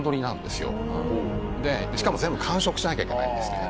しかも全部完食しなきゃいけないんですね。